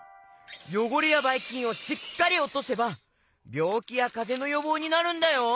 よごれやバイキンをしっかりおとせばびょうきやかぜのよぼうになるんだよ！